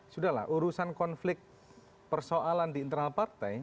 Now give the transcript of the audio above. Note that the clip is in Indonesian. sudahlah urusan konflik persoalan di internal partai